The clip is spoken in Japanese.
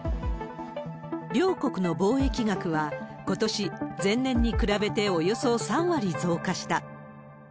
両国の貿易額はことし前年に比べておよそ３割増加した。